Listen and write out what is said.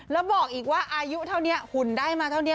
แล้วบอกอีกว่าอายุเท่านี้หุ่นได้มาเท่านี้